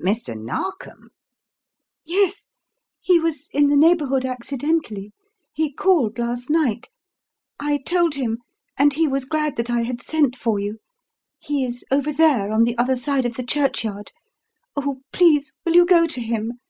"Mr. Narkom?" "Yes. He was in the neighbourhood accidentally. He called last night. I told him and he was glad that I had sent for you. He is over there, on the other side of the churchyard. Oh, please will you go to him?